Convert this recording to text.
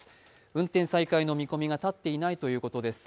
運転再開の見込みが立っていないということです。